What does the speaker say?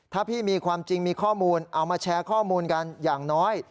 ถ้าพี่มีความจริงมีข้อมูลเอามาแชร์ข้อมูลกันอย่างน้อย